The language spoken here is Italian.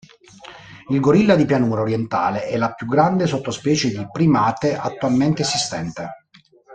Il gorilla di pianura orientale è la più grande sottospecie di primate attualmente esistente.